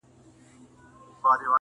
تر منګوټي لاندي به سپیني اوږې وځلېدې!!